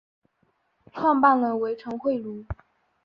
创办人为陈惠如。